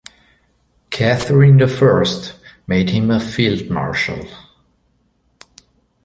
Catherine the First made him a field-marshal.